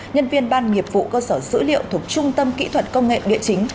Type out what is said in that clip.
nhân viên ban nghiệp vụ cơ sở dữ liệu thuộc trung tâm kỹ thuật công nghệ địa chính